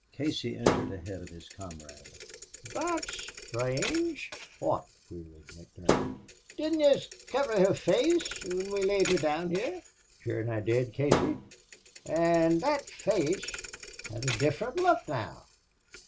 Casey entered ahead of his comrade. "Thot's sthrange!" "Wot?" queried McDermott. "Didn't yez kiver her face whin we laid her down here?" "Shure an' I did, Casey." "An' that face has a different look now!...